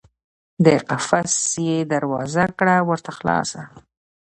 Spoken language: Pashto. د قفس یې دروازه کړه ورته خلاصه